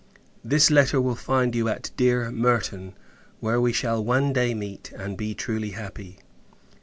This letter will find you at dear Merton; where we shall one day meet, and be truly happy.